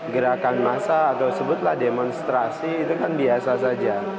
gerakan massa atau sebutlah demonstrasi itu kan biasa saja